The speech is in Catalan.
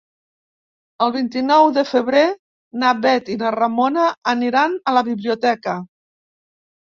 El vint-i-nou de febrer na Bet i na Ramona aniran a la biblioteca.